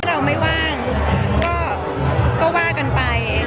เราไม่ว่างก็ว่ากันไป